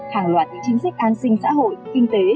hàng loạt những chính sách an sinh xã hội kinh tế